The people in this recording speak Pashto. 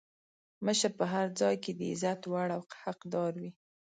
مشر په هر ځای کې د عزت وړ او حقدار وي.